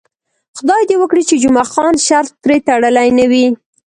خدای دې وکړي چې جمعه خان شرط پرې تړلی نه وي.